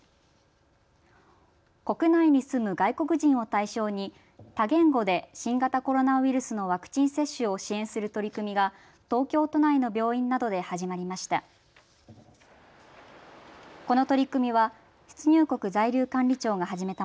国内に住む外国人を対象に多言語で新型コロナウイルスのワクチン接種を支援する取り組みが東京都内の病院などで始まりました。